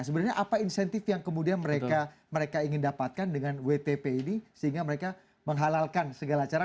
sebenarnya apa insentif yang kemudian mereka ingin dapatkan dengan wtp ini sehingga mereka menghalalkan segala cara